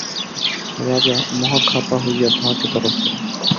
রাজা মহা খাপা হইয়া তাহাকে তলব করেন।